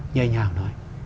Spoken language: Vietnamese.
như anh hào nói